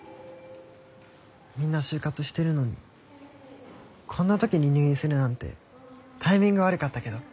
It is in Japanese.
みんな就活してるのにこんな時に入院するなんてタイミング悪かったけど。